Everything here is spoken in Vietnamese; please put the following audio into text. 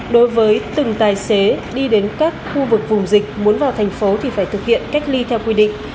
đối với từng tài xế đi đến các khu vực vùng dịch muốn vào thành phố thì phải thực hiện cách ly theo quy định